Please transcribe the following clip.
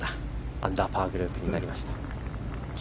アンダーパーグループに入りました。